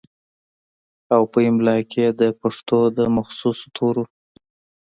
او پۀ املا کښې ئې دَپښتو دَمخصوصو تورو